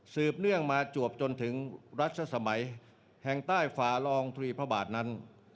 เนื่องมาจวบจนถึงรัชสมัยแห่งใต้ฝารองทรีพระบาทนั้น